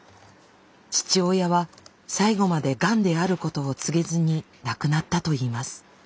父親は最期までがんであることを告げずに亡くなったといいます。